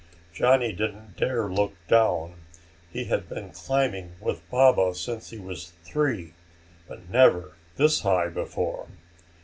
Johnny didn't dare look down. He had been climbing with Baba since he was three, but never this high before.